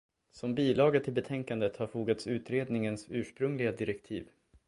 Som bilaga till betänkandet har fogats utredningens ursprungliga direktiv.